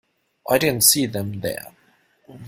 I did not see them there.